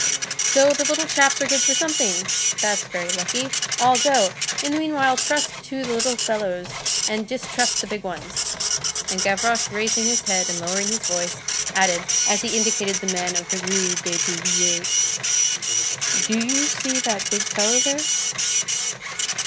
"So the little chaps are good for something! that's very lucky! I'll go! In the meanwhile, trust to the little fellows, and distrust the big ones." And Gavroche, raising his head and lowering his voice, added, as he indicated the man of the Rue des Billettes: "Do you see that big fellow there?"